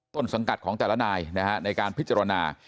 ต้นสังกัดของแต่ละนายในการพิจารณา